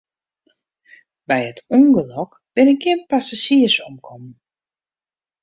By it ûngelok binne gjin passazjiers omkommen.